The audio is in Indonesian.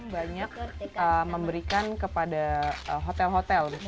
banyak memberikan kepada hotel hotel gitu